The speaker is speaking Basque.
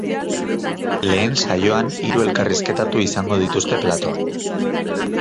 Lehen saioan, hiru elkarrizketatu izango dituzte platoan.